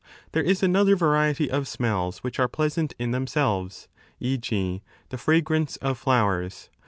There is another variety of smells which are pleasant in themselves, e.g. the fragrance of flowers.